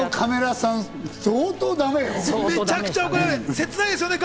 そのカメラさん、相当だめよ！